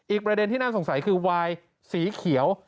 ประเด็นที่น่าสงสัยคือวายสีเขียว